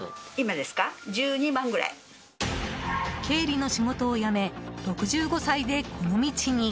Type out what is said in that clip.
経理の仕事を辞め６５歳で、この道に。